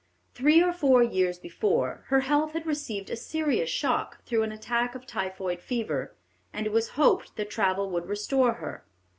Three or four years before, her health had received a serious shock through an attack of typhoid fever, and it was hoped that travel would restore her.